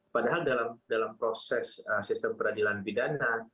padahal dalam proses sistem peradilan pidana